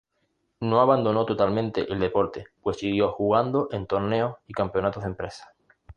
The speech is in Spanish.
No abandonó totalmente el deporte pues siguió jugando en torneos y campeonatos de empresa.